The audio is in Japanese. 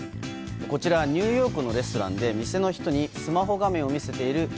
ニューヨークのレストランで店の人にスマホ画面を見せている客。